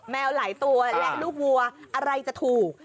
แมวหลายตัวและลูกวัวอะไรจะถูก